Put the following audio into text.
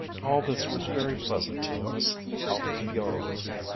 All this was very pleasant to Miss Altifiorla.